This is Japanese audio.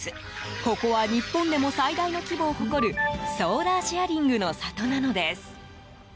ここは日本でも最大の規模を誇るソーラーシェアリングの里なのです。